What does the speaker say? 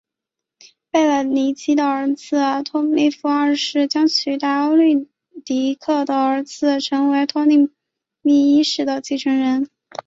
贝勒尼基的儿子托勒密二世取代欧律狄刻的儿子成为托勒密一世的继承人。